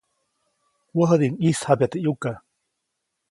Wäjädiʼuŋ ʼyisjabya teʼ ʼyuka.